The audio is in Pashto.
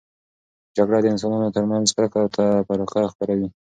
جګړه د انسانانو ترمنځ کرکه او تفرقه خپروي.